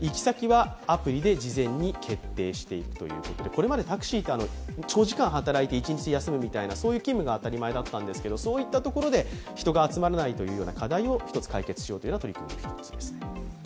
これまでタクシーって長時間働いて１日休むみたいな、そういう勤務が当たり前だったんですけど、そういったところで人が集まらないというような課題を一つ解決しようというような取り組みですね。